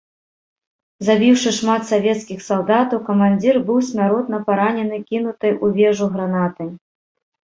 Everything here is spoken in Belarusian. Забіўшы шмат савецкіх салдатаў, камандзір быў смяротна паранены кінутай у вежу гранатай.